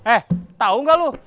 eh tau ga lu